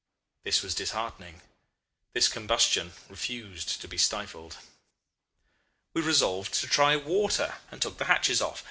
This was disheartening. This combustion refused to be stifled. "We resolved to try water, and took the hatches off.